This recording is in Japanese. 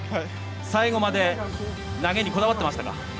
最後まで投げにこだわってましたか？